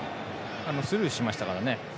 スルーしましたからね。